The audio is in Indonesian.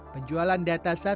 penjualan data satu tiga miliar